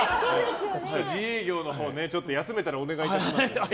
自営業のほうを休めたらお願いいたします。